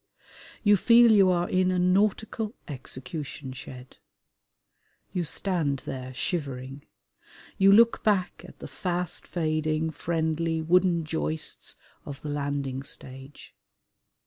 You feel you are in a Nautical Executionshed. You stand there shivering. You look back at the fast fading friendly wooden joists of the landing stage.